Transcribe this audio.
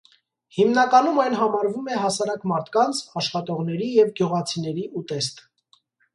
Հիմնականում այն համարվում է հասարակ մարդկանց, աշխատողների և գյուղացիների ուտեստ։